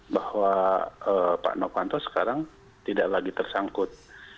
bahwa pak stiano fanto sekarang tidak lagi tersangkut